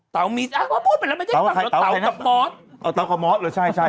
เต๋ามีอ้าวพูดไปแล้วไม่ได้เต๋ากับเมาสเอาเต๋ากับเมาสหรือใช่ใช่